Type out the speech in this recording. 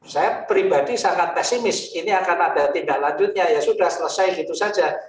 saya pribadi sangat pesimis ini akan ada tindak lanjutnya ya sudah selesai gitu saja